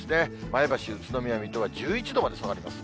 前橋、宇都宮、水戸は１１度まで下がります。